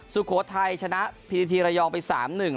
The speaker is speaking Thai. สุโขทัยชนะพีทีระยองไปสามหนึ่ง